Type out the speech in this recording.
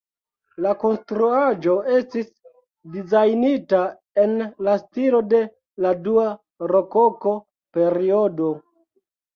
La konstruaĵo estis dizajnita en la stilo de la dua rokoko-periodo.